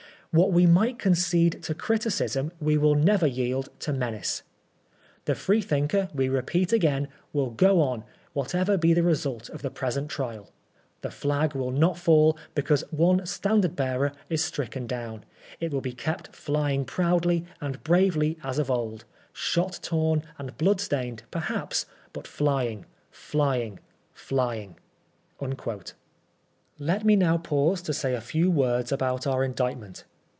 What we might concede to criticism we will never yield to menace. The Freethinker, we repeat again, will go oa whatever be the result of the present trial The flag will not fall because one standard bearer is stricken down ; it will be kept flying proudly and bravely as of old ^shot tom and blood stained perhaps, but flying, flying, flying !" Let me now pause to say a few words about our Indictment.